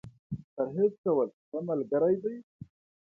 پرهېز کول ، ښه ملګری دی.